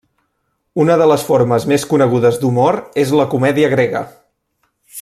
Una de les formes més conegudes d'humor és la comèdia grega.